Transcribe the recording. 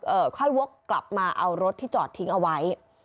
ค่อยวกกลับมาเอารถที่จอดทิ้งเอาไว้